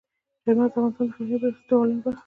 چار مغز د افغانستان د فرهنګي فستیوالونو برخه ده.